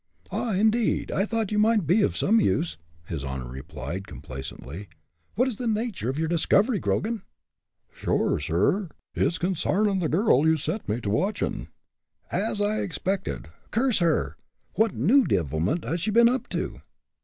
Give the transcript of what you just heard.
"Ah! indeed! I thought you might be of some use!" his honor replied, complacently. "What is the nature of your discovery, Grogan?" "Sure, sur, it's consarnin' the girl you set me to watchin'." "As I expected curse her! What new devilment has she been up to?"